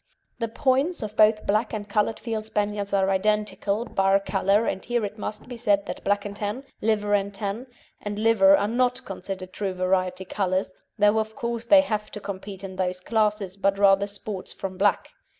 The points of both black and coloured Field Spaniels are identical, bar colour, and here it must be said that black and tan, liver and tan, and liver are not considered true variety colours, though of course they have to compete in those classes, but rather sports from black.